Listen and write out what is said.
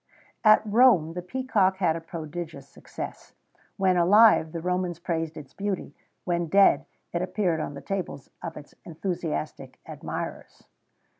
At Rome, the peacock had a prodigious success.[XVII 123] When alive, the Romans praised its beauty; when dead, it appeared on the tables of its enthusiastic admirers.